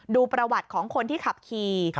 ดูประวัติของคนที่ขับขี่